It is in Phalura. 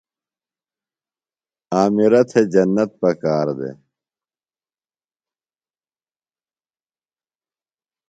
عامرہ تھےۡ جنت پکار دےۡ۔